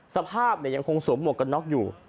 สภาพยังคงสวมหมวกกันน็อกอยู่